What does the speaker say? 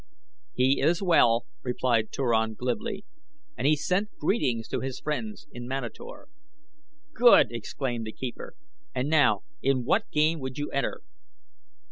"He is well," replied Turan, glibly, "and he sent greetings to his friends in Manator." "Good!" exclaimed the keeper, "and now in what game would you enter?"